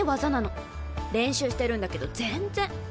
練習してるんだけど全然。